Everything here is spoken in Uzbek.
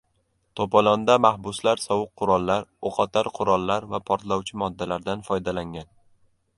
To‘polonda mahbuslar sovuq qurollar, o‘qotar qurollar va portlovchi moddalardan foydalangan